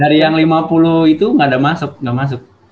dari yang lima puluh itu nggak ada masuk nggak masuk